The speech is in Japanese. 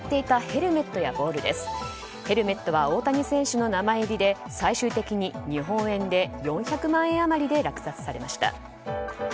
ヘルメットは大谷選手の名前入りで最終的に日本円で４００万円余りで落札されました。